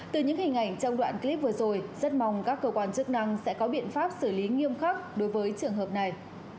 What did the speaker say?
từ những hình ảnh trong đoạn clip vừa rồi rất mong các cơ quan chức năng sẽ có biện pháp xử lý nghiêm khắc đối với trường hợp này